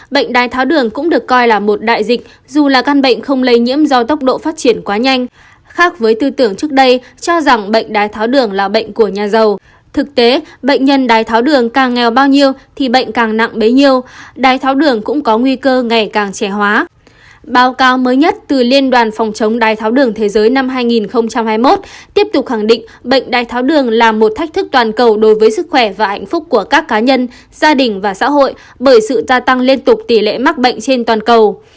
báo cáo mới nhất từ liên đoàn phòng chống đài tháo đường thế giới năm hai nghìn hai mươi một tiếp tục khẳng định bệnh đài tháo đường là một thách thức toàn cầu đối với sức khỏe và ảnh phúc của các cá nhân gia đình và xã hội bởi sự gia tăng liên tục tỷ lệ mắc bệnh trên toàn cầu